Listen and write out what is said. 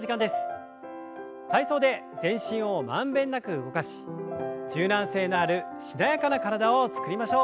体操で全身を満遍なく動かし柔軟性のあるしなやかな体を作りましょう。